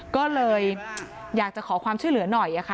ก็เลยอยากจะขอความช่วยเหลือหน่อยค่ะ